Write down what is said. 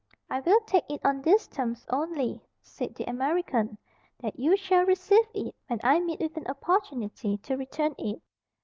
"I will take it on these terms only," said the American, "that you shall receive it when I meet with an opportunity to return it."